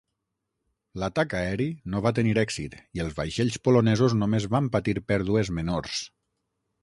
L'atac aeri no va tenir èxit i els vaixells polonesos només van patir pèrdues menors.